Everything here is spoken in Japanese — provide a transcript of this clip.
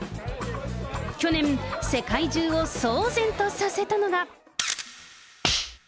去年、世界中を騒然とさせたのが。